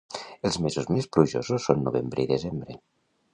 Els mesos més plujosos són novembre i desembre.